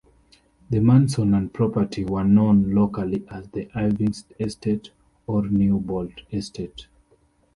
The mansion and property were known locally as the "Irving Estate" or "Newbold Estate.